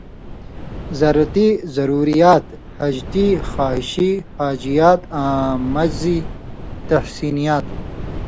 زرتی (ضروریات)، ہَجتی / خواہِشی (حاجیات) آں مزی (تحسینیات)۔